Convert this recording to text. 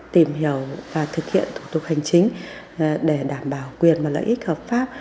tìm hiểu và thực hiện thủ tục hành chính để đảm bảo quyền và lợi ích hợp pháp